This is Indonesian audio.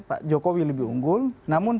pak jokowi lebih unggul namun